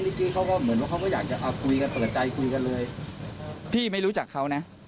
จี้เขาก็เหมือนว่าเขาก็อยากจะเอาคุยกันเปิดใจคุยกันเลยพี่ไม่รู้จักเขานะ